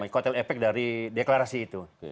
kotel efek dari deklarasi itu